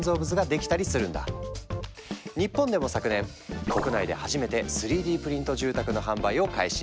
日本でも昨年国内で初めて３Ｄプリント住宅の販売を開始。